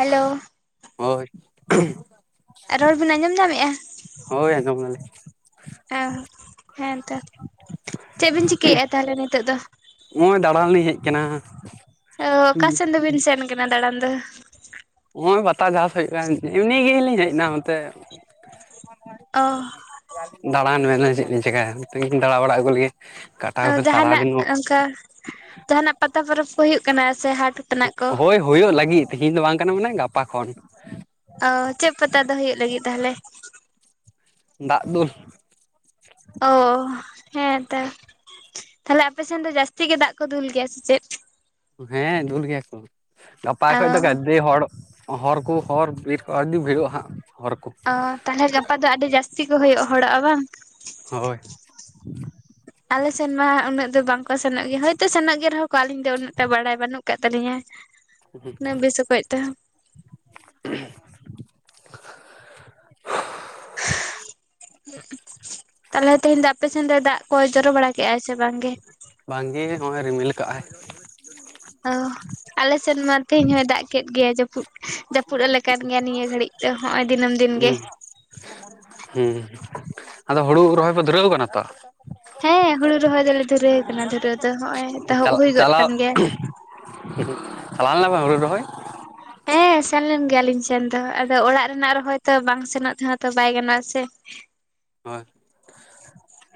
Hello ᱦᱳᱭ ᱨᱚᱲ ᱵᱤᱱ ᱟᱸᱡᱚᱢ ᱧᱟᱢᱮᱜ-ᱟ? ᱦᱳᱭ ᱟᱧᱡᱚᱢ ᱞᱮᱱᱟ᱾ ᱦᱮᱸ ᱦᱮᱸᱛᱚ ᱪᱮᱜ ᱵᱤᱱ ᱪᱤᱠᱟᱹᱭᱮᱜ-ᱟ ᱛᱟᱦᱟᱞᱮ ᱱᱤᱛᱳᱜ ᱫᱚ? ᱦᱚᱜᱚᱭ ᱫᱟᱬᱟᱱ ᱞᱤᱧ ᱦᱮᱡ ᱠᱟᱱᱟ ᱦᱩᱸ᱾ [unintelligible] ᱵᱤᱱ ᱥᱮᱱ ᱠᱟᱱᱟ ᱫᱟᱬᱟᱱ ᱫᱚ? ᱦᱚᱸᱜᱚᱭ ᱯᱟᱛᱟ ᱡᱟᱦᱟ ᱥᱮᱫ ᱜᱮ ᱮᱢᱱᱤ ᱜᱮᱞᱤᱧ ᱦᱮᱡ ᱱᱟ ᱚᱱᱛᱮ᱾ ᱚ ᱫᱟᱬᱟᱱ ᱢᱮᱱᱮ ᱪᱮᱜ ᱞᱤᱧ ᱪᱤᱠᱟᱭᱟ [unintelligible] ᱫᱟᱬᱟ ᱵᱟᱲᱟ ᱟᱜᱩ ᱞᱮᱜᱮ᱾ ᱚ ᱠᱟᱴᱟᱣ ᱡᱟᱦᱟᱱᱟᱜ ᱥᱟᱨᱟᱫᱤᱱ ᱚᱝᱠᱟ ᱡᱟᱦᱟᱱᱟᱜ ᱯᱟᱛᱟ ᱯᱚᱨᱚᱵᱽ ᱠᱚ ᱦᱩᱭᱩᱜ ᱠᱟᱱᱟ ᱥᱮ ᱦᱟᱴ? ᱛᱮᱱᱟᱜ ᱠᱚ ᱦᱳᱭ ᱦᱳᱭᱳᱜ ᱞᱟᱹᱜᱤᱫ ᱛᱤᱦᱤᱧ ᱫᱚ ᱵᱟᱝ ᱠᱟᱱᱟ ᱢᱟᱱᱮ ᱜᱟᱯᱟ ᱠᱷᱚᱱ ᱾ ᱚ ᱪᱮᱜ ᱯᱟᱛᱟ ᱫᱚ ᱦᱳᱭᱳᱜ ᱞᱟᱹᱜᱤᱫ ᱛᱟᱦᱟᱞᱮ? ᱫᱟᱜ ᱫᱩᱞ᱾ ᱚ ᱦᱮᱸ ᱛᱚ᱾ ᱛᱟᱞᱦᱮ ᱟᱯᱮ ᱥᱮᱱ ᱫᱚ ᱡᱟᱹᱥᱛᱤ ᱜᱮ ᱫᱟᱜ ᱠᱚ ᱫᱩᱞ ᱜᱮᱭᱟ ᱥᱮ ᱪᱮᱫ? ᱦᱮᱸ ᱫᱩᱞ ᱜᱮᱭᱟ ᱠᱩ ᱜᱟᱯᱟ ᱚ ᱠᱷᱚᱡᱽ ᱫᱚ ᱜᱟᱫᱮ ᱦᱚᱲ᱾ ᱦᱚᱨ ᱠᱩ ᱦᱚᱨ ᱵᱤᱨ ᱠᱚ ᱟᱹᱰᱤ ᱵᱷᱤᱨᱚᱜ-ᱟ ᱦᱟᱸᱜ ᱦᱚᱨ ᱠᱩ᱾ ᱚ ᱛᱟᱞᱦᱮ ᱜᱟᱯᱟ ᱫᱚ ᱟᱹᱰᱤ ᱡᱟᱹᱥᱛᱤ ᱠᱚ ᱦᱳᱭᱳᱜ-ᱟ ᱦᱚᱲᱚᱜ-ᱟ ᱵᱟᱝ? ᱦᱳᱭ [inaudible] ᱟᱞᱮ ᱥᱮᱱ ᱢᱟ ᱩᱱᱟᱹᱜ ᱫᱚ ᱵᱟᱝᱠᱚ ᱥᱮᱱᱚᱜ ᱜᱮ ᱦᱳᱭᱛᱚ ᱥᱮᱱᱚᱜ ᱜᱮ ᱨᱮᱦᱚᱸ ᱠᱚ ᱟᱹᱞᱤᱧ ᱫᱚ ᱩᱱᱟᱹᱜᱴᱟ ᱵᱟᱲᱟᱭ ᱵᱟᱹᱱᱩᱜ ᱠᱟᱜ ᱛᱟᱞᱤᱧ-ᱟ᱾ ᱚᱱᱟ ᱵᱮᱥ ᱠᱚᱡ ᱛᱮᱦᱚᱸ᱾ [inaudible] ᱛᱟᱦᱞᱮ ᱛᱮᱦᱮᱧ ᱫᱚ ᱟᱯᱮ ᱥᱮᱱ ᱫᱚᱭ ᱫᱟᱜ ᱠᱚ ᱡᱚᱨᱚ ᱵᱟᱲᱟ ᱠᱮᱜᱟᱭ ᱥᱮ ᱵᱟᱝ ᱜᱮ? ᱵᱟᱝᱜᱮ ᱦᱚᱜᱚᱭ ᱨᱤᱢᱤᱞ ᱠᱟᱜᱟᱭ᱾ ᱚ ᱟᱞᱮ ᱥᱮᱱ ᱢᱟ ᱛᱮᱦᱮᱧ ᱦᱚᱭ ᱫᱟᱜ ᱠᱮᱜ ᱜᱮᱭᱟᱭ ᱡᱟᱹᱯᱩᱫ ᱡᱟᱹᱯᱩᱫ ᱟᱞᱮ ᱠᱟᱱ ᱜᱮᱭᱟ ᱱᱤᱭᱟᱹ ᱜᱷᱟᱹᱲᱤᱡ ᱫᱚ ᱦᱚᱸᱜᱚᱭ ᱫᱤᱱᱟᱹᱢ ᱫᱤᱱ ᱜᱮ᱾ ᱦᱩᱸ ᱦᱩᱸ ᱟᱫᱚ ᱦᱩᱲᱩ ᱨᱚᱦᱚᱭ ᱯᱮ ᱫᱷᱩᱨᱟᱹᱣ ᱠᱟᱱᱟ ᱛᱚ? ᱦᱮᱸ ᱦᱩᱲᱩ ᱨᱚᱦᱚᱭ ᱫᱚᱞᱮ ᱫᱷᱩᱨᱟᱹᱣ ᱠᱟᱱᱟ ᱫᱷᱩᱨᱟᱹᱣ ᱫᱚ ᱦᱚᱜᱼᱚᱭ ᱮᱛᱚᱦᱚᱵ ᱪᱟᱞᱟᱜ ᱦᱩᱭ ᱜᱚᱫ ᱪᱟᱞᱟᱣ ᱠᱟᱱ ᱜᱮᱭᱟ᱾ ᱪᱟᱞᱟᱣ ᱞᱮᱱᱟ ᱯᱱ ᱦᱩᱲᱩ ᱨᱚᱦᱚᱭ? ᱦᱮᱸ ᱥᱮᱱ ᱞᱮᱱ ᱜᱮᱭᱟᱞᱤᱧ ᱥᱮᱱ ᱫᱚ ᱟᱫᱚ ᱚᱲᱟᱜ ᱨᱮᱱᱟᱜ ᱨᱚᱦᱚᱭ ᱛᱚ ᱵᱟᱝ ᱥᱮᱱᱚᱜ ᱛᱮᱦᱚ ᱛᱚ ᱵᱟᱭ ᱜᱟᱱᱚᱜ-ᱟ ᱥᱮ ᱦᱳᱭ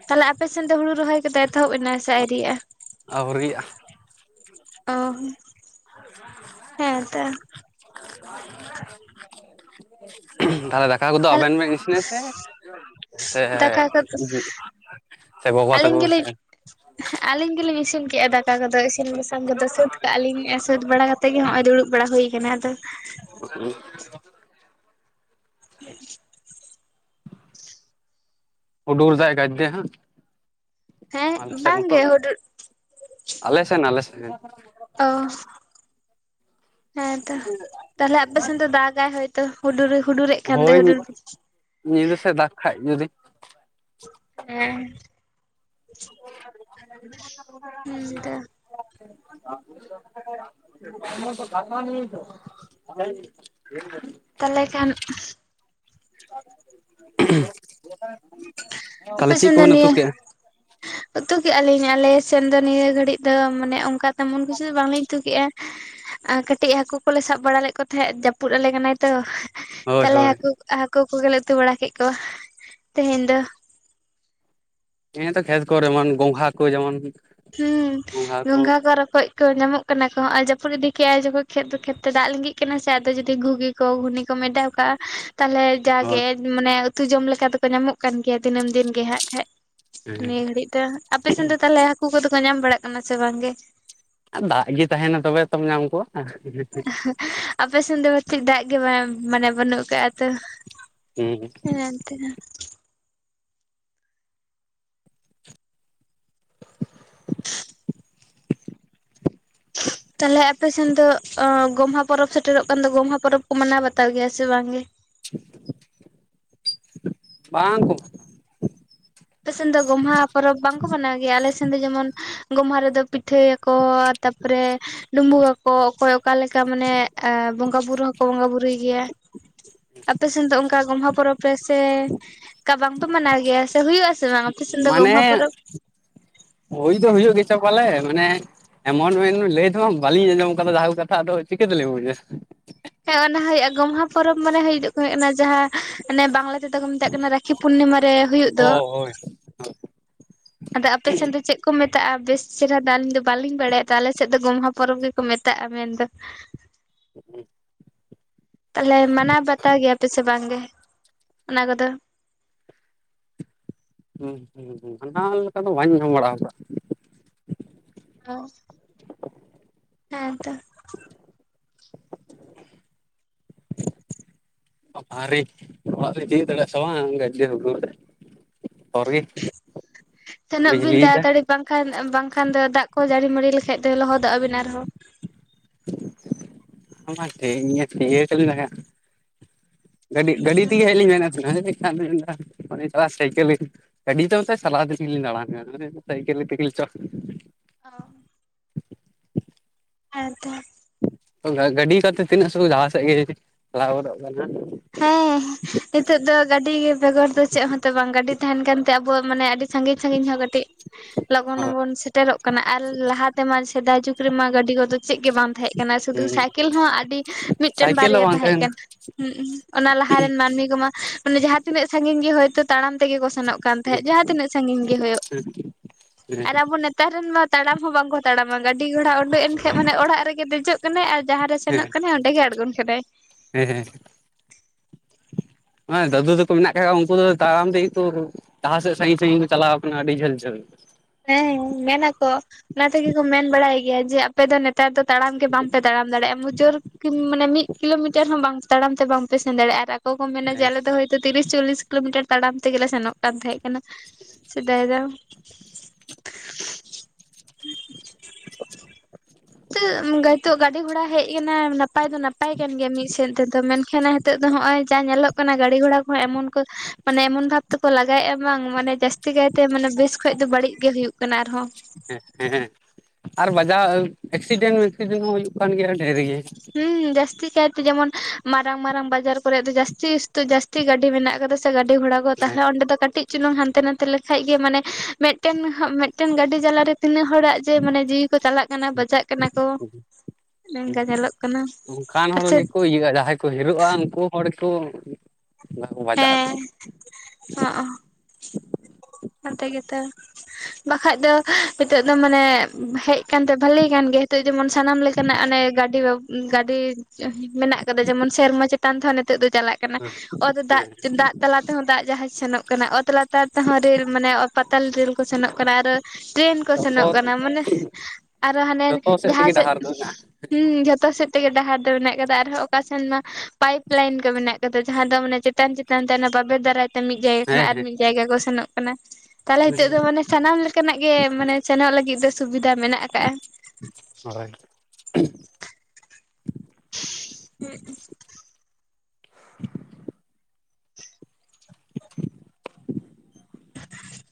ᱛᱷᱟᱞᱮ ᱟᱯᱮ ᱥᱮᱱ ᱫᱚ ᱦᱩᱲᱩ ᱨᱚᱦᱚᱭ ᱠᱚᱫᱚ ᱮᱛᱚᱦᱚᱵ ᱮᱱᱟ ᱥᱮ ᱟᱣᱨᱤᱭᱟᱜᱼᱟ? ᱟᱹᱣᱨᱤᱭᱟᱜᱼᱟ ᱚ ᱦᱮᱸ ᱛᱚ ᱛᱟᱦᱚᱞᱮ ᱫᱟᱠᱟ ᱠᱚᱫᱚ ᱟᱵᱮᱱ ᱵᱮᱱ ᱤᱥᱤᱱᱟᱥᱮ? ᱥᱮ ᱫᱟᱠᱟ ᱠᱚ ᱡᱤ ᱥᱮ ᱜᱚᱵᱟ ᱛᱟᱠᱩ ᱟᱹᱞᱤᱧ ᱥᱮ? ᱜᱮᱞᱤᱧ ᱟᱹᱞᱤᱧ ᱜᱮᱞᱤᱧ ᱤᱥᱤᱱ ᱠᱮᱜᱼᱟ ᱫᱟᱠ ᱠᱟ ᱠᱚᱫᱚ ᱤᱥᱤᱱ ᱵᱟᱥᱟᱝ ᱠᱚᱫᱚ ᱥᱟᱹᱛ ᱠᱟᱜᱟ ᱞᱤᱧ ᱮᱸ ᱥᱟᱹᱛ ᱵᱟᱲᱟ ᱠᱟᱛᱮᱫ ᱜᱮ ᱦᱚᱸᱜ ᱚᱭ ᱫᱩᱲᱩᱵ ᱵᱟᱲᱟ ᱦᱩᱭ ᱠᱟᱱᱟ ᱟᱫᱚ᱾ [inaudible] [inaudible] ᱦᱩᱰᱩᱨ ᱫᱟᱭ ᱜᱟᱭᱫᱮ ᱦᱟᱜ ᱦᱮᱸ ᱟᱞᱮ ᱥᱮᱜ ᱢᱚᱛᱚ ᱵᱟᱝᱜᱮ ᱦᱩᱰᱩᱨ ᱟᱞᱮᱥᱮᱱ ᱟᱞᱥᱮ ᱚ ᱦᱮᱸᱛᱚ ᱛᱟᱦᱚᱞᱮ ᱟᱯᱮᱥᱮᱱ ᱫᱚ ᱫᱟᱜᱟᱭ ᱦᱚᱭᱛᱚ ᱦᱩᱰᱩᱨ ᱦᱩᱰᱩᱨᱮᱜ ᱠᱷᱟᱱ ᱫᱚᱭ ᱦᱳᱭ ᱦᱩᱰᱩᱨ ᱧᱤᱫᱟᱹ ᱥᱮᱜ ᱫᱟᱠ ᱠᱷᱟᱡᱽ ᱡᱩᱫᱤ ᱦᱮᱸ ᱦᱩᱸ ᱛᱚ [inaudible] [inaudible] ᱛᱟᱦᱮᱞᱮ ᱠᱷᱟᱱ ᱛᱟᱷᱞᱮ ᱟᱯᱮ ᱪᱤᱜ ᱥᱮᱱ ᱫᱚ ᱠᱚᱵᱮᱱ ᱩᱛᱩ ᱱᱤᱭᱟᱹ ᱠᱮᱜᱼᱟ? ᱩᱛᱩ ᱠᱮᱜᱟ ᱞᱤᱧ ᱟᱞᱮᱥᱮᱱ ᱫᱚ ᱱᱤᱭᱟᱹ ᱜᱷᱟᱹᱲᱤᱡ ᱫᱚ ᱢᱟᱱᱮ ᱚᱱᱠᱟ ᱛᱮᱢᱚᱱ ᱠᱤᱪᱷᱩ ᱫᱚ ᱵᱟᱝᱞᱤᱧ ᱩᱛᱩ ᱠᱮᱜᱼᱟ ᱮᱸ ᱠᱟᱹᱴᱤᱡ ᱦᱟᱹᱠᱩ ᱠᱚᱞᱮ ᱥᱟᱵ ᱵᱟᱲᱟ ᱞᱮᱫ ᱠᱚ ᱛᱟᱦᱮᱸᱜ ᱡᱟᱹᱯᱩᱫ ᱟᱞᱮ ᱠᱟᱱᱟᱭ ᱛᱚ ᱦᱳᱭ ᱛᱟᱦᱚᱞᱮ ᱦᱳᱭ ᱦᱟᱹᱠᱩ ᱦᱟᱹᱠᱩ ᱠᱚᱜᱮᱞᱮ ᱩᱛᱩ ᱵᱟᱲᱟ ᱠᱮᱫ ᱠᱚᱣᱟ ᱛᱮᱦᱮᱧ ᱫᱚ᱾ ᱦᱮ ᱛᱚ ᱠᱷᱮᱛ ᱠᱚᱨᱮ ᱢᱚᱱ ᱜᱚᱝᱜᱷᱟ ᱠᱚ ᱡᱮᱢᱚᱱ ᱦᱩᱸ ᱜᱚᱸᱜᱷᱟ ᱠᱚ ᱨᱚᱠᱚᱡ ᱠᱚ ᱧᱟᱢᱚᱜ ᱠᱟᱱᱟ ᱠᱚ ᱱᱚᱜᱚᱭ ᱡᱟᱹᱯᱩᱫ ᱤᱫᱤ ᱠᱮᱜᱼᱟᱭ ᱡᱚᱠᱷᱚᱱ ᱠᱷᱮᱛ ᱠᱷᱮᱛ ᱛᱮ ᱫᱟᱜ ᱞᱤᱜᱤᱜ ᱠᱟᱱᱟ ᱥᱮ ᱟᱫᱚ ᱡᱩᱫᱤ ᱜᱷᱩᱜᱤ ᱠᱚ ᱜᱷᱩᱱᱤ ᱠᱚ ᱮᱰᱟᱣ ᱠᱟᱜᱼᱟ ᱛᱟᱦᱞᱮ ᱡᱟᱜᱮ ᱦᱳᱭ ᱢᱟᱱᱮ ᱩᱛᱩ ᱡᱚᱢ ᱞᱮᱠᱟ ᱫᱚᱠᱚ ᱧᱟᱢᱚᱜ ᱠᱟᱱ ᱜᱮᱭᱟ ᱫᱤᱱᱟᱹᱢ ᱫᱤᱱ ᱜᱮ ᱦᱟᱸᱜ ᱠᱷᱟᱡ ᱱᱤᱭᱟᱹ ᱜᱷᱟᱹᱲᱤᱡ ᱛᱮ ᱟᱯᱮ ᱥᱮᱱ ᱫᱚ ᱛᱟᱦᱞᱮ ᱦᱟᱹᱠᱩ ᱠᱚᱫᱚ ᱠᱚ ᱧᱟᱢ ᱵᱟᱲᱟᱜ ᱠᱟᱱᱟ ᱥᱮ ᱵᱟᱝ ᱜᱮ? ᱟᱨ ᱫᱟᱜ ᱜᱮ ᱛᱟᱦᱮᱱᱟ ᱛᱚᱵᱮ ᱛᱚᱢ ᱧᱟᱢ ᱠᱚᱣᱟ ᱦ [inaudible] ᱟᱯᱮ ᱥᱮᱱ ᱫᱚ ᱛᱷᱤᱡ ᱫᱟᱜ ᱜᱮ ᱢᱟᱱᱮ ᱵᱟᱹᱱᱩᱜ ᱠᱟᱜᱼᱟ ᱛᱚ᱾ ᱦᱮᱸ ᱱᱛᱮᱱᱟ [unintelligible] ᱛᱟᱞᱦᱮ ᱟᱯᱮ ᱥᱮᱱ ᱫᱚ ᱜᱚᱢᱦᱟ ᱯᱚᱨᱚᱵᱽ ᱥᱮᱴᱮᱨᱚᱜ ᱠᱟᱱ ᱫᱚ ᱜᱚᱢᱦᱟ ᱯᱚᱨᱚᱵᱽ ᱠᱩ ᱢᱟᱱᱟᱣ ᱵᱟᱛᱟᱣ ᱜᱮᱭᱟ ᱥᱮ ᱵᱟᱝ ᱜᱮ? ᱵᱟᱝ ᱠᱚ ᱟᱯᱮ ᱥᱮᱱ ᱫᱚ ᱜᱚᱢᱦᱟ ᱯᱚᱨᱚᱵᱽ ᱵᱟᱝᱠᱚ ᱢᱟᱱᱟᱣ ᱜᱮᱭᱟ ᱟᱞᱮ ᱥᱮᱱ ᱫᱚ ᱡᱮᱢᱚᱱ ᱜᱚᱢᱦᱟ ᱨᱮᱫᱚ ᱯᱤᱴᱷᱟᱹᱭᱟ ᱠᱚ ᱛᱟᱯᱚᱨᱮ ᱰᱩᱵᱩᱜ ᱟᱠᱚ ᱚᱠᱚᱭ ᱚᱠᱟᱞᱮᱠᱟ ᱢᱟᱱᱮ ᱵᱚᱸᱜᱟ ᱵᱩᱨᱩ ᱦᱚᱸᱠᱚ ᱵᱚᱸᱜᱟ ᱵᱩᱨᱩᱭ ᱜᱮᱭᱟ᱾ ᱟᱯᱮ ᱥᱮᱱ ᱫᱚ ᱚᱱᱠᱟ ᱜᱚᱢᱦᱟ ᱯᱚᱨᱚᱵᱽ ᱨᱮ ᱥᱮ ᱚᱱᱠᱟ ᱵᱟᱝᱯᱮ ᱢᱟᱱᱟᱣ ᱜᱮᱭᱟ ᱥᱮ ᱦᱩᱭᱩᱜᱼᱟ? ᱢᱟᱱᱮ ᱦᱩᱭ ᱫᱚ ᱦᱩᱭᱩᱜ ᱜᱮᱪᱚ ᱯᱟᱞᱮ ᱢᱟᱱᱮ ᱮᱢᱚᱱ ᱢᱮᱱ ᱢᱮ ᱞᱟᱹᱭ ᱫᱚᱦᱟᱸᱜ ᱵᱟᱹᱞᱤᱧ ᱟᱸᱡᱚᱢ ᱠᱟᱫᱟ ᱡᱟᱦᱟᱸ ᱠᱚ ᱠᱟᱛᱷᱟ ᱟᱫᱚ ᱪᱤᱠᱟᱹ ᱛᱮᱞᱤᱧ ᱵᱩᱡᱟ᱾ ᱦᱮᱸ ᱚᱱᱟ ᱦᱩᱭᱩᱜᱼᱟ ᱜᱚᱢᱦᱟ ᱯᱚᱨᱚᱵᱽ ᱢᱟᱱᱮ [unintelligible] ᱠᱟᱱᱟ ᱡᱟᱦᱟᱸ ᱦᱟᱱᱮ ᱵᱟᱝᱞᱟ ᱛᱮᱫᱚ ᱠᱚ ᱢᱮᱛᱟᱜ ᱠᱟᱱᱟ ᱨᱟᱠᱷᱤ ᱯᱩᱨᱱᱤᱢᱟ ᱨᱮ ᱦᱩᱭᱩᱜ ᱚ ᱫᱚ᱾ ᱦᱳᱭ [inaudible] ᱟᱫᱚ ᱟᱯᱮ ᱥᱮᱱ ᱫᱚ ᱪᱮᱜ ᱠᱚ ᱢᱮᱛᱟᱜᱼᱟ? ᱵᱮᱥ ᱪᱮᱨᱦᱟ ᱫᱚ ᱟᱞᱤᱧ ᱫᱚ ᱵᱟᱹᱞᱤᱧ ᱵᱟᱲᱟᱭᱟ ᱛᱚ ᱟᱞᱮ ᱥᱮᱜ ᱫᱚ ᱜᱚᱢᱦᱟ ᱯᱚᱨᱚᱵᱽ ᱜᱮ ᱠᱚ ᱢᱮᱛᱟᱜᱼᱟ ᱢᱮᱱᱫᱚ᱾ [inaudible] ᱛᱟᱞᱦᱮ ᱢᱟᱱᱟᱣ ᱵᱟᱛᱟᱣ ᱜᱮᱭᱟ ᱯᱮ ᱥᱮ ᱵᱟᱝ ᱜᱮ ᱚᱱᱟ ᱠᱚᱫᱚ? ᱦᱩᱸ ᱦᱩᱸ ᱦᱩᱸ ᱢᱟᱱᱟᱣ ᱞᱮᱠᱟ ᱫᱚ ᱵᱟᱹᱧ ᱟᱸᱡᱚᱢ ᱵᱟᱲᱟᱣ ᱠᱟᱜ ᱚ ᱦᱮᱸ ᱛᱚ᱾ [inaudible] ᱵᱟᱵᱟ ᱨᱮ ᱚᱲᱟᱜ ᱫᱚᱧ ᱛᱤᱭᱟᱹᱜ ᱫᱟᱲᱮᱜᱼᱟ ᱥᱮ ᱵᱟᱝ ᱜᱟᱡᱮ ᱦᱩᱰᱩᱨ ᱫᱟᱭ ᱾ ᱥᱮᱱᱚᱜ ᱵᱤᱱ ᱵᱤᱡᱽᱞᱤᱭ ᱫᱟᱭ ᱛᱟᱛᱟᱲᱤ᱾ ᱵᱟᱝᱠᱷᱟᱱ ᱵᱟᱝᱠᱷᱟᱱ ᱫᱚ ᱫᱟᱜ ᱠᱚ ᱡᱟᱹᱲᱤ ᱢᱟᱹᱲᱤ ᱞᱮᱠᱷᱟᱡ ᱫᱚ ᱞᱚᱦᱚᱫᱚᱜᱼᱟ ᱵᱤᱱ ᱟᱨᱦᱚᱸ [unintelligible] ᱜᱟᱹᱰᱤ ᱰᱟᱹᱰᱤ ᱚ ᱛᱮᱜᱮ ᱦᱮᱡ ᱞᱤᱧ ᱢᱮᱱᱮᱫᱜ ᱛᱟᱦᱮᱱᱟ [unintelligible] ᱜᱟᱹᱰᱤ [unintelligible] ᱚ ᱦᱮᱸ ᱛᱚ᱾ ᱜᱟ-ᱜᱟᱹᱰᱤ ᱠᱟᱛᱮ ᱛᱤᱱᱟᱹᱜ ᱥᱚᱦᱩ ᱡᱟᱦᱟᱸ ᱥᱮᱜ ᱜᱮ ᱪᱟᱞᱟᱣ ᱜᱚᱫᱚᱜ ᱠᱟᱱᱟ᱾ ᱦᱮᱸ ᱱᱤᱛᱚᱜ ᱫᱚ ᱜᱟᱹᱰᱤ ᱵᱮᱜᱚᱨ ᱫᱚ ᱪᱮᱜ ᱦᱚᱸᱛᱚ ᱵᱟᱝ ᱜᱟᱹᱰᱤ ᱛᱟᱦᱮᱱ ᱠᱟᱱᱛᱮ ᱟᱵᱚᱣᱟᱜ ᱢᱟᱱᱮ ᱟᱹᱰᱤ ᱥᱟᱺᱜᱤᱧ ᱥᱟᱺᱜᱤᱧ ᱦᱚᱸ ᱠᱟᱹᱴᱤᱡ ᱞᱚᱜᱚᱱ ᱦᱳᱭ ᱵᱚᱱ ᱥᱮᱴᱮᱨᱚᱜ ᱠᱟᱱᱟ ᱟᱨ ᱞᱟᱦᱟ ᱛᱮᱢᱟ ᱥᱮᱫᱟᱭ ᱡᱩᱜᱽ ᱨᱮᱢᱟ ᱜᱟᱹᱰᱤ ᱜᱚᱫᱚ ᱪᱮᱜ ᱜᱮ ᱵᱟᱝ ᱛᱟᱦᱮᱸᱜ ᱠᱟᱱᱟ ᱥᱩᱫᱷᱩ ᱦᱩᱸ ᱥᱟᱭᱠᱮᱞ ᱦᱚᱸ ᱟᱹᱰᱤ ᱢᱤᱫᱴᱮᱱ ᱥᱟᱭᱠᱮᱞ ᱦᱚᱸ ᱵᱟᱨᱭᱟ ᱵᱟᱝ ᱛᱟᱦᱮᱸ ᱠᱟᱱᱟ ᱦᱩᱸᱜᱼᱩᱸ᱾ ᱚᱱᱟ ᱞᱟᱦᱟᱨᱮᱱ ᱢᱟᱹᱱᱢᱤ ᱠᱚᱢᱟ ᱢᱟᱱᱮ ᱡᱟᱦᱟᱸ ᱛᱤᱱᱟᱹᱜ ᱥᱟᱺᱜᱤᱧ ᱜᱮ ᱦᱳᱭᱛᱳ ᱛᱟᱲᱟᱢ ᱛᱮᱜᱮ ᱠᱚ ᱥᱮᱱᱚᱜ ᱠᱟᱱ ᱠᱟᱱᱟ ᱛᱟᱦᱮᱸᱜ ᱡᱟᱦᱟᱸ ᱛᱤᱱᱟᱹᱜ ᱥᱟᱺᱜᱤᱧ ᱜᱮ ᱦᱳᱭᱳᱜ ᱦᱮᱸ ᱟᱨ ᱟᱵᱚ ᱱᱮᱛ ᱛᱟᱨ ᱨᱮᱱ ᱢᱟ ᱛᱟᱲᱟᱢ ᱦᱚᱸ ᱵᱟᱝ ᱠᱚ ᱛᱟᱲᱟᱢᱟ ᱜᱟᱹᱰᱤ ᱜᱷᱚᱲᱟ ᱩᱰᱩᱜ ᱮᱱ ᱠᱷᱟᱡ ᱢᱟᱱᱮ ᱚᱲᱟᱜ ᱨᱮᱜᱮ ᱫᱮᱡᱚᱜ ᱠᱟᱱᱟᱭ ᱟᱨ ᱡᱟᱦᱟᱸ ᱨᱮ ᱥᱮᱱᱚᱜ ᱠᱟᱱᱟᱭ ᱚᱸᱰᱮ ᱜᱮ ᱟᱬᱜᱚᱱ ᱠᱟᱱᱟᱭ᱾ ᱦᱮᱸ ᱦᱮᱸ ᱦᱮᱸ ᱫᱟᱹᱫᱩ ᱛᱟᱹᱠᱩ ᱢᱮᱱᱟᱜ ᱠᱟᱜ ᱠᱚᱣᱟ ᱩᱝᱠᱩ ᱫᱚ ᱛᱟᱲᱟᱢ ᱛᱮᱜᱮ ᱠᱩ ᱡᱟᱦᱟ ᱥᱮᱜ ᱥᱟᱺᱜᱤᱧ ᱥᱟᱺᱜᱤᱧ ᱠᱚ ᱪᱟᱞᱟᱣ ᱠᱟᱱᱟ ᱟᱹᱰᱤ ᱡᱷᱟᱹᱞ ᱡᱷᱟᱹᱞ᱾ ᱦᱮᱸ ᱢᱮᱱᱟᱠᱚ ᱚᱱᱟ ᱛᱮᱜᱮ ᱠᱚ ᱢᱮᱱ ᱵᱟᱲᱟᱭ ᱜᱮᱭᱟ ᱡᱮ ᱟᱯᱮ ᱫᱚ ᱱᱮᱛᱟᱨ ᱫᱚ ᱛᱟᱲᱟᱢ ᱜᱮ ᱵᱟᱝᱯᱮ ᱛᱟᱲᱟᱢ ᱫᱟᱲᱮᱜᱼᱟ ᱢᱩᱡᱩᱨ ᱠᱤᱢ ᱢᱟᱱᱮ ᱢᱤᱜ ᱠᱤᱞᱳᱢᱤᱴᱟᱨ ᱦᱚᱸ ᱵᱟᱝ ᱛᱟᱲᱟᱢ ᱛᱮ ᱵᱟᱝᱯᱮ ᱥᱮᱱ ᱫᱟᱲᱮᱜᱼᱟ ᱟᱨ ᱠᱚᱠᱚ ᱢᱮᱱᱟ ᱡᱮ ᱦᱮᱸ ᱟᱞᱮ ᱫᱚ ᱦᱳᱭ ᱛᱚ ᱛᱤᱨᱤᱥ ᱪᱚᱞᱞᱤᱥ ᱠᱤᱞᱳᱢᱤᱴᱟᱨ ᱛᱟᱲᱟᱢ ᱛᱮᱜᱮᱞᱮ ᱥᱮᱱᱚᱜ ᱠᱟᱱ ᱛᱟᱦᱮᱸᱜ ᱠᱟᱱᱟ ᱥᱮᱫᱟᱭ ᱫᱚ᱾ [inaudible] [inaudible] [unintelligible] ᱜᱟᱹᱰᱤ ᱜᱷᱚᱲᱟ ᱦᱮᱡ ᱠᱟᱱᱟ ᱱᱟᱯᱟᱭ ᱫᱚ ᱱᱟᱯᱟᱭ ᱠᱟᱱ ᱜᱮᱭᱟ ᱢᱤᱜ ᱥᱮᱫ ᱛᱮᱫᱚ ᱢᱮᱱ ᱠᱷᱟᱱ ᱛᱚᱜ ᱫᱚ ᱦᱚᱸᱜᱼᱚᱭ ᱡᱟ ᱧᱮᱞᱚᱜ ᱠᱟᱱᱟ ᱜᱟᱹᱲᱤ ᱜᱷᱚᱲᱟ ᱠᱚᱦᱚᱸ ᱮᱢᱚᱱ ᱠᱚ ᱢᱟᱱᱮ ᱮᱢᱚᱱ ᱵᱷᱟᱵᱽ ᱛᱮᱠᱚ ᱞᱟᱜᱟᱭᱮᱜᱼᱟ ᱵᱟᱝ ᱢᱟᱱᱮ ᱡᱟᱹᱥ ᱛᱤ ᱠᱟᱭᱛᱮ ᱢᱟᱱᱮ ᱵᱮᱥ ᱠᱷᱚᱡ ᱫᱚ ᱵᱟᱹᱲᱤᱡ ᱜᱮ ᱦᱩᱭᱩᱜ ᱠᱟᱱᱟ ᱟᱨᱦᱚᱸ᱾ ᱦᱮ ᱦᱮᱸ ᱟᱨ ᱵᱟᱡᱟᱣ ᱮᱠᱥᱤᱰᱮᱱ ᱢᱮᱠᱥᱤᱰᱮᱱ ᱦᱚᱸ ᱦᱩᱭᱩᱜ ᱠᱟᱱ ᱜᱮᱭᱟ ᱰᱷᱮᱨ ᱜᱮ᱾ ᱦᱩᱸ ᱡᱟᱹᱥᱛᱤ ᱠᱟᱭᱛᱮ ᱡᱮᱢᱚᱱ ᱢᱟᱨᱟᱝ ᱢᱟᱨᱟᱝ ᱵᱟᱡᱟᱨ ᱠᱚᱨᱮ ᱫᱚ ᱡᱟᱹᱥᱛᱤ ᱤᱥᱛᱚ ᱡᱟᱥ ᱛᱤ ᱜᱟᱹᱰᱤ ᱢᱮᱱᱟᱜ ᱠᱟᱫᱟ ᱥᱮ ᱜᱟᱹᱰᱤ ᱜᱷᱚᱬᱟ ᱠᱚ ᱛᱟᱦᱞᱮ ᱦᱮᱸ ᱚᱸᱰᱮ ᱫᱚ ᱠᱟᱹᱴᱤᱡᱽ ᱪᱩᱞᱩᱝ ᱦᱟᱱᱛᱮ ᱱᱟᱛᱮ ᱞᱮᱠᱷᱟᱡᱽ ᱜᱮ ᱢᱟᱱᱮ ᱢᱮᱫᱴᱮᱱ, ᱢᱮᱫᱴᱮᱱ ᱜᱟᱹᱰᱤ ᱡᱟᱞᱟ ᱨᱮ ᱛᱤᱱᱟᱹᱜ ᱦᱚᱲᱟᱜ ᱡᱮ ᱢᱟᱱᱮ ᱡᱤᱣᱤ ᱠᱚ ᱪᱟᱞᱟᱜ ᱠᱟᱱᱟ ᱵᱟᱡᱟᱜ ᱠᱟᱱᱟ ᱠᱚ, ᱚᱱᱠᱟ ᱧᱮᱞᱚᱜ ᱠᱟᱱᱟ ᱚᱱᱠᱟᱱ ᱦᱚᱲ ᱟᱪᱪᱷᱟ ᱜᱮᱠᱚ ᱤᱭᱟᱹᱜᱟ ᱡᱟᱦᱟᱸᱭ ᱠᱚ ᱦᱤᱨᱳᱜ-ᱟ ᱩᱱᱠᱩ ᱦᱚᱲ ᱜᱮᱠᱚ ᱵᱟᱠᱚ ᱵᱟᱡᱟᱜ-ᱟ᱾ ᱮᱸ, ᱦᱚᱸᱜ-ᱚ᱾ ᱚᱸᱰᱮ ᱜᱮᱛᱚ᱾ ᱵᱟᱠᱷᱟᱡᱽ ᱫᱚ ᱱᱤᱛᱳᱜ ᱫᱚ ᱢᱟᱱᱮ ᱦᱮᱡ ᱠᱟᱱᱛᱮ ᱵᱷᱟᱞᱤᱭ ᱠᱟᱱ ᱜᱮᱭᱟ ᱦᱤᱛᱳᱜ ᱡᱮᱢᱚᱱ ᱥᱟᱱᱟᱢ ᱞᱮ ᱠᱟᱱᱟ ᱚᱱᱮ ᱜᱟᱹᱰᱤ, ᱜᱟᱹᱰᱤ ᱢᱮᱱᱟᱜ ᱠᱟᱫᱟ ᱡᱮᱢᱚᱱ ᱥᱮᱨᱢᱟ ᱪᱮᱛᱟᱱ ᱛᱮᱦᱚᱸ ᱱᱤᱛᱚᱜ ᱫᱚ ᱪᱟᱞᱟᱜ ᱠᱟᱱᱟ, ᱦᱮᱸ ᱚᱛ ᱫᱟᱜ ᱦᱮᱸ ᱫᱟᱜ ᱛᱟᱞᱟ ᱛᱮᱦᱚᱸ ᱫᱟᱜ ᱡᱟᱦᱟᱡᱽ ᱥᱮᱱᱚᱜ ᱠᱟᱱᱟ, ᱚᱛ ᱞᱟᱛᱟᱨ ᱛᱮᱦᱚᱸ ᱨᱮᱹᱞ ᱢᱟᱱᱮ ᱚᱛ ᱯᱟᱛᱟᱞ ᱨᱮᱹᱞ ᱠᱚ ᱥᱮᱱᱚᱜ ᱠᱟᱱᱟ, ᱟᱨ ᱴᱨᱮᱹᱱ ᱠᱚ ᱡᱚᱛᱚ ᱥᱮᱱᱚᱜ ᱠᱟᱱᱟ ᱢᱟᱱᱮ ᱟᱨ ᱦᱟᱱᱮ ᱡᱚᱛᱚ ᱡᱟᱦᱟᱸ ᱛᱮᱜᱮ ᱥᱮᱫ ᱰᱟᱦᱟᱨ ᱫᱚ ᱦᱮᱱᱟᱜᱼᱟ ᱦᱩᱸ, ᱡᱷᱚᱛᱚ ᱥᱮᱫ ᱛᱮᱜᱮ ᱰᱟᱦᱟᱨ ᱫᱚ ᱢᱮᱱᱟᱜ ᱠᱟᱫᱟ ᱟᱨᱦᱚᱸ ᱚᱠᱟ ᱥᱮᱱ ᱢᱟ ᱯᱟᱭᱤᱯ ᱞᱟᱭᱤᱱ ᱠᱚ ᱢᱮᱱᱟᱜ ᱠᱟᱫᱟ᱾ ᱡᱟᱦᱟᱸ ᱫᱚ ᱢᱟᱱᱮ ᱪᱮᱛᱟᱱ ᱪᱮᱛᱟᱱ ᱛᱮ ᱚᱱᱟ ᱵᱟᱵᱮᱨ ᱫᱟᱨᱟᱭ ᱛᱮ ᱢᱤᱫ ᱡᱟᱭᱜᱟ ᱦᱮᱸ ᱠᱷᱚᱱᱟᱜ ᱟᱨ ᱢᱤᱫ ᱡᱟᱭᱜᱟ ᱠᱚ ᱥᱮᱱᱚᱜ ᱠᱟᱱᱟ᱾ ᱛᱟᱦᱞᱮ ᱦᱮᱸ ᱦᱤᱛᱚᱜ ᱫᱚ ᱢᱟᱱᱮ ᱥᱟᱱᱟᱢ ᱞᱮᱠᱟᱱᱟᱜ ᱜᱮ ᱢᱟᱱᱮ ᱥᱮᱱᱚᱜ ᱞᱟᱹᱜᱤᱫ ᱫᱚ ᱥᱩᱵᱤᱫᱟ ᱢᱮᱱᱟᱜ ᱠᱟᱜ-ᱟ᱾ ᱦᱳᱭ᱾ ᱦᱩᱸᱜ-ᱩᱸ᱾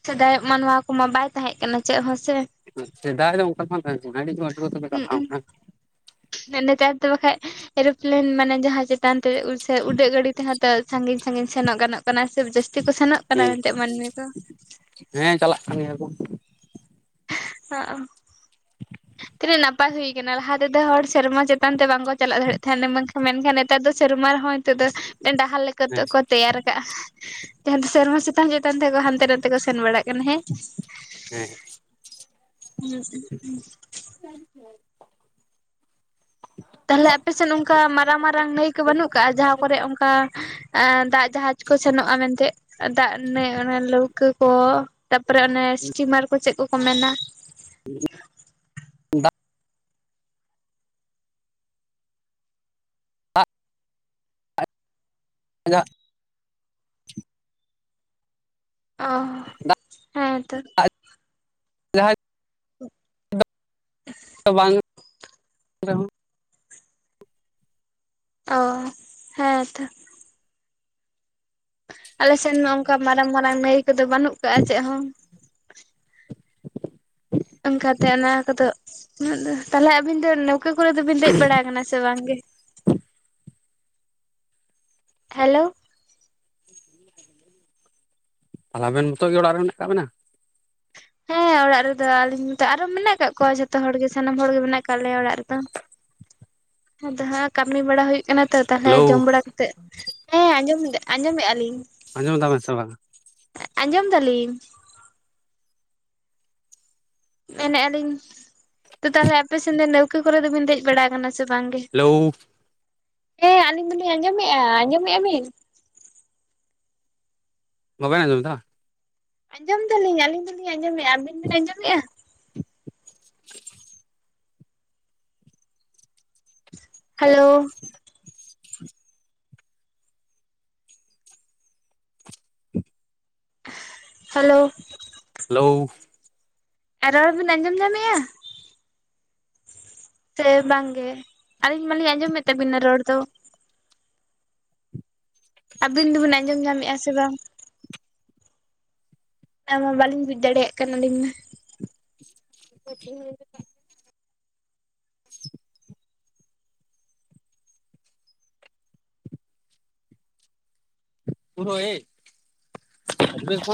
ᱥᱮᱫᱟᱭᱟᱜ ᱢᱟ ᱱᱚᱣᱟ ᱠᱚᱢᱟ ᱵᱟᱭ ᱛᱟᱦᱮᱸ ᱠᱟᱱᱟ ᱪᱮᱫ ᱦᱚᱸ ᱥᱮ᱾ ᱦᱩᱸ, ᱥᱮᱫᱟᱭ ᱫᱚ ᱚᱝᱠᱟ ᱫᱚ ᱵᱟᱝ ᱛᱟᱦᱮᱸᱠᱟᱱᱟ ᱟᱹᱰᱤ ᱢᱚᱡᱽ᱾ ᱦᱩᱸᱜ-ᱩᱸ ᱱᱮᱛᱟᱨ ᱫᱚ ᱵᱟᱠᱷᱟᱡᱽ ᱮᱨᱳᱯᱞᱮᱱ ᱢᱟᱱᱮ ᱡᱟᱦᱟᱸ ᱪᱮᱫ ᱪᱮᱛᱟᱱ ᱛᱮ ᱥᱮ ᱩᱰᱟᱹᱜ ᱜᱟᱹᱰᱤ ᱛᱮᱦᱚᱸ ᱛᱚ ᱥᱟᱸᱜᱤᱧ ᱥᱟᱸᱜᱤᱧ ᱥᱮᱱᱚᱜ ᱜᱟᱱᱚᱜ ᱠᱟᱱᱟ ᱥᱮᱵᱽ ᱡᱟᱹᱥᱛᱤ ᱠᱚ ᱥᱮᱱᱚᱜ ᱠᱟᱱᱟ ᱦᱮᱸ ᱮᱱᱛᱮ ᱢᱟᱹᱱᱢᱤ ᱠᱚ᱾ ᱦᱮᱸ ᱪᱟᱞᱟᱜ ᱠᱟᱱ ᱜᱮᱭᱟ ᱠᱚ᱾ ᱦᱚᱸᱜ-ᱚ, ᱛᱤᱱᱟᱹᱜ ᱱᱟᱯᱟᱭ ᱦᱩᱭ ᱠᱟᱱᱟ ᱞᱟᱦᱟ ᱛᱮᱫᱚ ᱦᱚᱲ ᱥᱮᱨᱢᱟ ᱪᱮᱛᱟᱱ ᱛᱮ ᱵᱟᱝ ᱠᱚ ᱪᱟᱞᱟᱜ ᱫᱟᱲᱮᱜ ᱛᱟᱦᱮᱱ, ᱵᱟᱝ ᱠᱷᱟᱱ, ᱢᱮᱱᱠᱷᱟᱱ ᱱᱮᱛᱟᱨ ᱫᱚ ᱥᱮᱨᱢᱟ ᱨᱮᱦᱚᱸ ᱱᱤᱛᱚᱜ ᱫᱚ ᱰᱟᱦᱟᱨ ᱞᱮᱠᱟ ᱛᱮ ᱦᱮᱸ ᱠᱚ ᱛᱮᱭᱟᱨ ᱠᱟᱜ-ᱟ, ᱡᱟᱸᱦᱟ ᱫᱚ ᱥᱮᱨᱢᱟ ᱥᱮᱛᱟᱱ ᱪᱮᱛᱟᱱ ᱛᱮ ᱠᱚ ᱦᱟᱱᱛᱮ ᱱᱟᱛᱮ ᱠᱚ ᱥᱮᱱ ᱵᱟᱲᱟᱜ ᱠᱟᱱᱟ ᱦᱮᱸ᱾ ᱦᱩᱸ᱾ ᱩᱸ ᱩᱸ, [unintelligible] ᱛᱟᱦᱞᱮ ᱟᱯᱮᱥᱮᱫ ᱚᱱᱠᱟ ᱢᱟᱨᱟᱝ ᱢᱟᱨᱟᱝ ᱱᱟᱹᱭ ᱠᱚ ᱵᱟᱹᱱᱩᱜ ᱠᱟᱜ-ᱟ ᱡᱟᱦᱟᱸ ᱠᱚᱨᱮ ᱚᱝᱠᱟ ᱟᱸ ᱫᱟᱜ ᱡᱟᱦᱟᱸ ᱠᱚ ᱥᱮᱱᱚᱜ-ᱟ ᱢᱮᱱᱛᱮᱜ, ᱫᱟᱜ ᱵᱟᱹᱭ ᱱᱟᱹᱭ ᱚᱱᱟ ᱞᱟᱹᱣᱠᱟᱹ ᱠᱚ ᱛᱟᱯᱚᱨᱮ ᱚᱱᱮ ᱥᱴᱤᱢᱟᱨ ᱠᱚ ᱪᱮᱫ ᱠᱚᱠᱚ ᱢᱮᱱᱟ? ᱩᱸᱦᱩᱸᱜ, ᱫᱟᱜ, ᱫᱟᱜ ᱤᱧᱟᱜ ᱚ ᱦᱮᱸᱛᱚ [unintelligible] [unintelligible] ᱫᱚ ᱵᱟᱝ ᱨᱮᱦᱚᱸ ᱚ, ᱦᱮᱸ ᱛᱚ᱾ ᱟᱞᱮ ᱥᱮᱱ ᱢᱟ ᱚᱝᱠᱟ ᱢᱟᱨᱟᱝ ᱢᱟᱨᱟᱝ ᱱᱟᱹᱭ ᱠᱚᱫᱚ ᱵᱟᱹᱱᱩᱜ ᱠᱟᱜ-ᱟ ᱪᱮᱜ ᱦᱚᱸ᱾ ᱚᱱᱠᱟᱛᱮ ᱚᱱᱟ ᱠᱚᱫᱚ, ᱛᱟᱞᱦᱮ ᱟᱵᱤᱱ ᱫᱚ ᱱᱟᱹᱣᱠᱟᱹ ᱠᱚᱨᱮ ᱫᱚᱵᱤᱱ ᱫᱮᱡ ᱵᱟᱲᱟ ᱠᱟᱱᱟ ᱥᱮ ᱵᱟᱝ ᱜᱮ? ᱦᱮᱞᱳ᱾ ᱛᱟᱦᱞᱮ ᱟᱵᱮᱱ ᱱᱚᱛᱚᱜ ᱜᱮ ᱚᱲᱟᱜ ᱨᱮ ᱢᱮᱱᱟᱜ ᱠᱟᱜ ᱵᱮᱱᱟ? ᱦᱮᱸ᱾ ᱚᱲᱟᱜ ᱨᱮᱫᱚ ᱟᱞᱤᱧ ᱢᱚᱛᱚ, ᱟᱨᱚ ᱢᱮᱱᱟᱜ ᱠᱟᱜ ᱠᱚᱣᱟ ᱡᱷᱚᱛᱚ ᱦᱚᱲᱜᱮ ᱥᱟᱱᱟᱢ ᱦᱚᱲᱜᱮ ᱢᱮᱱᱟᱜ ᱠᱟᱜ ᱞᱮᱭᱟ ᱚᱲᱟᱜ ᱨᱮᱫᱚ᱾ ᱦᱟᱸ ᱫᱚ ᱦᱟᱸᱜ ᱠᱟᱹᱢᱤ ᱵᱟᱲᱟ ᱦᱩᱭᱩᱜ᱾ ᱠᱟᱱᱟ ᱛᱚ ᱛᱟᱦᱞᱮ ᱦᱮᱞᱳ ᱡᱚᱢ ᱵᱟᱲᱟ ᱠᱟᱛᱮᱫ᱾ ᱦᱮᱸ ᱟᱸᱡᱚᱢ ᱫᱟ ᱟᱸᱡᱚᱢᱮᱜᱼᱟ ᱞᱤᱧ᱾ ᱟᱸᱡᱚᱢ ᱫᱟ ᱵᱮᱱ ᱥᱮ ᱵᱟᱝᱼᱟ? ᱟᱸᱡᱚᱢ ᱫᱟᱹᱞᱤᱧ᱾ ᱢᱮᱱᱮᱜᱼᱟ ᱞᱤᱧ ᱛᱚ ᱛᱟᱦᱞᱮ ᱟᱯᱮ ᱥᱮᱱ ᱫᱚ ᱱᱟᱹᱣᱠᱟᱹ ᱠᱚᱨᱮ ᱫᱚ ᱵᱤᱱ ᱫᱮᱡ ᱵᱟᱲᱟ ᱠᱟᱱᱟ ᱥᱮ ᱵᱟᱝ ᱜᱮ, ᱦᱮᱞᱳ ᱦᱮᱸ ᱟᱹᱞᱤᱧ ᱫᱚᱞᱤᱧ ᱟᱸᱡᱚᱢᱮᱜᱼᱟ ᱟᱸᱡᱚᱢᱮᱜᱼᱟ ᱵᱤᱱ? ᱵᱟᱵᱮᱱ ᱟᱸᱡᱚᱢᱮᱫᱟ ᱵᱟᱝ? ᱟᱸᱡᱚᱢ ᱫᱟᱹᱞᱤᱧ ᱟᱹᱞᱤᱧ ᱫᱚᱞᱤᱧ ᱟᱸᱡᱚᱢᱮᱜᱼᱟ᱾ ᱟᱵᱤᱱ ᱵᱤᱱ ᱟᱸᱡᱚᱢᱮᱜᱼᱟ? ᱦᱟᱹᱞᱳ [inaudible] ᱦᱟᱹᱞᱳ᱾ ᱦᱮᱹᱞᱳ᱾ ᱟᱨ ᱨᱚᱲ ᱵᱤᱱ ᱟᱸᱡᱚᱢ ᱧᱟᱢᱮᱜᱼᱟ? ᱥᱮᱸ ᱵᱟᱝᱜᱮ, ᱟᱹᱞᱤᱧ ᱢᱟᱞᱤᱧ ᱟᱸᱡᱚᱢᱮᱫ ᱛᱟᱵᱤᱱᱟ ᱨᱚᱲ ᱫᱚ᱾ ᱟᱵᱤᱱ ᱫᱩᱵᱤᱱ ᱟᱸᱡᱚᱢ ᱧᱟᱢᱮᱜᱼᱟ ᱥᱮ ᱵᱟᱝ? ᱟᱭᱢᱟ ᱵᱟᱞᱤᱧ ᱵᱩᱡ ᱫᱟᱲᱮᱭᱟᱜ ᱠᱟᱱᱟ ᱟᱹᱞᱤᱧ ᱢᱟ᱾ [unintelligible] [inaudible] [unintelligible]